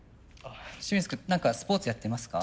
清水君何かスポーツやってますか？